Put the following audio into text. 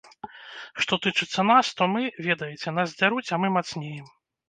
Што тычыцца нас, то мы, ведаеце, нас дзяруць, а мы мацнеем.